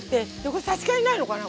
これ差し替えないのかな？